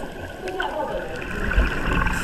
會嚇到本來的居民